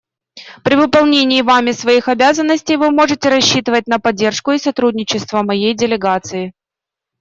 При выполнении вами своих обязанностей вы можете рассчитывать на поддержку и сотрудничество моей делегации.